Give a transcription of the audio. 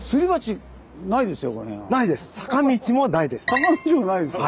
坂道もないですよ。